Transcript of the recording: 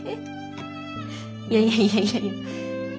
いやいやいや。